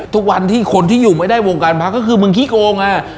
ทุกวันที่คนที่อยู่ไม่ได้วงการพักก็คือมึงขี้โกงอ่ะ